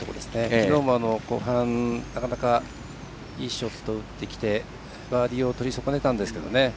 きのうも後半、なかなかいいショットを打ってきてバーディーをとり損ねたんですが。